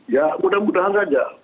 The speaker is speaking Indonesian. ya mudah mudahan saja